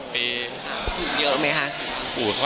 ถูกเยอะไหมคะ